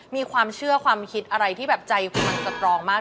มีความเชื่อความคิดอะไรที่แบบใจคุณมันสตรองมาก